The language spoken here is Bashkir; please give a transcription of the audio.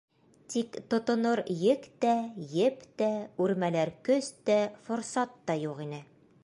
Тик тотонор ек тә, еп тә, үрмәләр көс тә, форсат та юҡ ине.